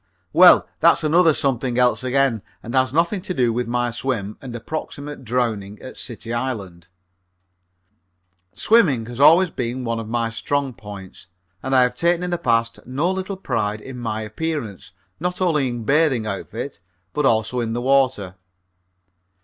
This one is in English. Well, that's another something else again and has nothing to do with my swim and approximate drowning at City Island. Swimming has always been one of my strong points, and I have taken in the past no little pride in my appearance, not only in a bathing outfit, but also in the water.